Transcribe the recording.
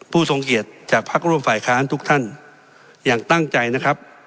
ทรงเกียรติจากพักร่วมฝ่ายค้านทุกท่านอย่างตั้งใจนะครับ